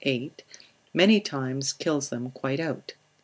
8, many times kills them quite out.